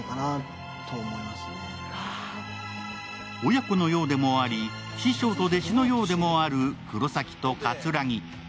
親子のようでもあり師匠と弟子のようでもある黒崎と桂木。